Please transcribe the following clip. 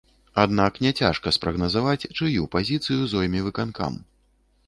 Аднак не цяжка спрагназаваць чыю пазіцыю зойме выканкам.